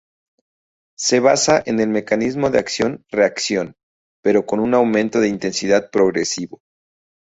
Se basa en el mecanismo de acción-reacción, pero con un aumento de intensidad progresivo.